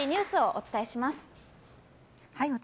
お伝えします。